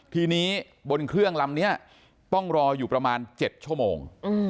ทีนี้บนเครื่องลำนี้ต้องรออยู่ประมาณ๗ชั่วโมง